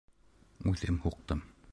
Үҙем һуҡтым.